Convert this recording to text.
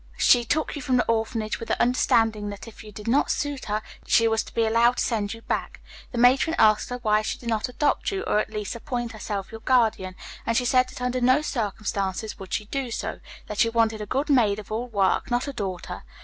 She took you from the orphanage with the understanding that if you did not suit her she was to be allowed to send you back. The matron asked her why she did not adopt you, or at least appoint herself your guardian, and she said that under no circumstances would she do so; that she wanted a good maid of all work, not a daughter.